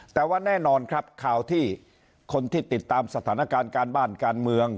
แต่ว่าแน่นอนครับข่าวที่คนที่ติดตามสถานการณ์การบ้านการเมือง